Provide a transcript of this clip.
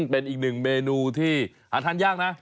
เป็นอีกหนึ่งเมนูที่หาทานยากนะ